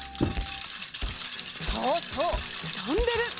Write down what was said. そうそうダンベル！